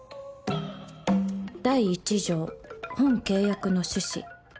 「第１条本契約の主旨」